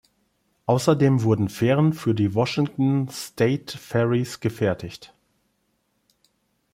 Außerdem wurden Fähren für die Washington State Ferries gefertigt.